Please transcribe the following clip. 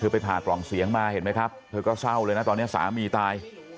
ไปผ่ากล่องเสียงมาเห็นไหมครับเธอก็เศร้าเลยนะตอนนี้สามีตาย